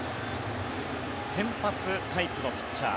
先発タイプのピッチャー。